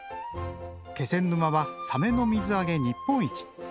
気仙沼はサメの水揚げ日本一。